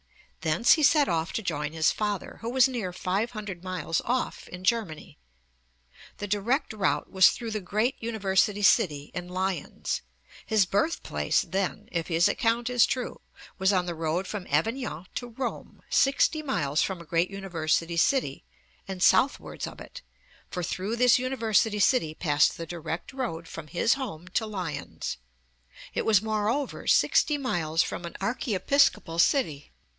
Thence he set off to join his father, who was 'near 500 miles off' in Germany (p. 60). 'The direct route was through the great university city' and Lyons (p. 104). His birth place then, if his account is true, was on the road from Avignon to Rome, sixty miles from a great university city and southwards of it, for through this university city passed the direct road from his home to Lyons. It was, moreover, sixty miles from an archiepiscopal city.